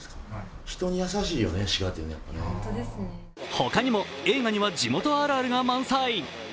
ほかにも映画には地元あるあるが満載。